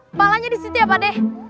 kepalanya di situ ya pak d